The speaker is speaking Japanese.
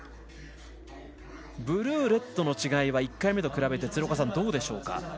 ブルー、レッドの違いは１回目と比べてどうでしょうか。